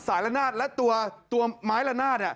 ละนาดและตัวไม้ละนาด